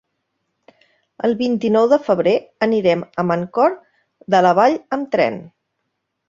El vint-i-nou de febrer anirem a Mancor de la Vall amb tren.